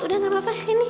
udah gak apa apa sih ini